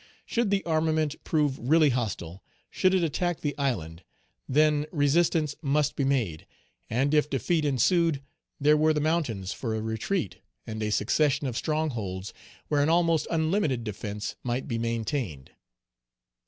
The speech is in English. Should the armament prove really hostile, should it attack the island, then resistance must Page 159 be made; and if defeat ensued, there were the mountains for a retreat, and a succession of strongholds where an almost unlimited defence might be maintained.